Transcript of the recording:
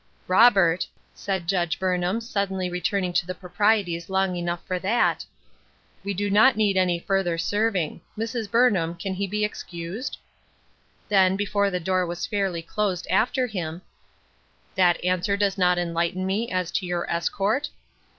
" Robert, " said Judge Burnham, suddenly re turning to the proprieties long enough for that, "we do not need any further serving. Mrs. Burnham, can he be excused ?" Then, before the door was fairly closed after him, — "That answer does not enlighten me as to your escort